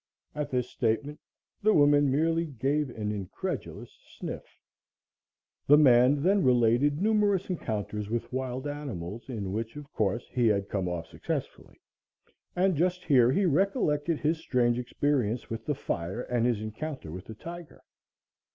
At this statement, the woman merely gave an incredulous sniff. The man then related numerous encounters with wild animals, in which, of course, he had come off successfully and just here he recollected his strange experience with the fire and his encounter with the tiger.